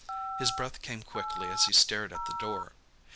His breath came quickly as he stared at the door.